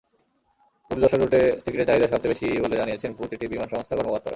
তবে যশোর রুটে টিকিটের চাহিদা সবচেয়ে বেশি বলে জানিয়েছেন প্রতিটি বিমান সংস্থার কর্মকর্তারা।